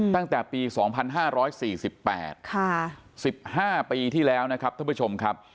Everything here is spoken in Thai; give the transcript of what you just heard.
ตั้งแต่ปี๒๕๔๘๑๕ปีที่แล้วนะครับท่านผู้ชมครับ